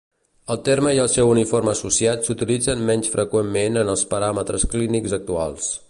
El terme i el seu uniforme associat s'utilitzen menys freqüentment en els paràmetres clínics actuals.